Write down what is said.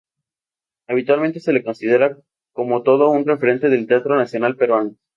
Habitualmente se lo considera como todo un referente del teatro nacional peruano.